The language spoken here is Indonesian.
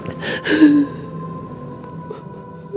kita jangan sedih